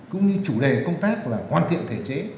cũng như chủ đề công tác là hoàn thiện thể chế